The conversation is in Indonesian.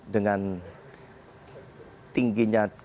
dengan tingginya kekuatan